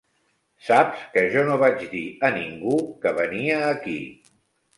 Saps que jo no vaig dir a ningú que venia aquí.